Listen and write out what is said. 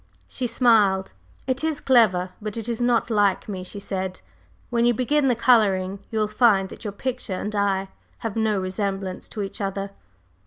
She smiled. "It is clever; but it is not like me," she said. "When you begin the coloring you will find that your picture and I have no resemblance to each other."